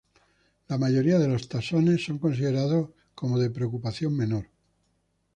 La mayoría de los taxones son considerados como de preocupación menor.